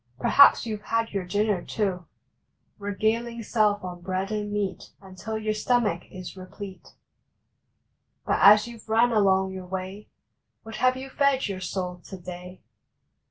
Perhaps you ve had your dinner, too, Regaling self on bread and meat Until your stomach is replete. But as you ve run along your way What have you fed your soul to day?